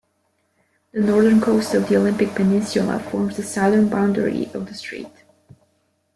The northern coast of the Olympic Peninsula forms the southern boundary of the strait.